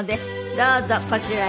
どうぞこちらへ。